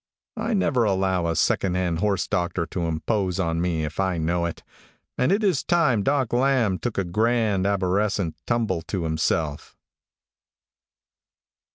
I never allow a secondhand horse doctor to impose on me, if I know it, and it is time Doc Lamb took a grand aborescent tumble to himself."